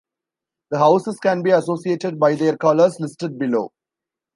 The houses can be associated by their colours listed below.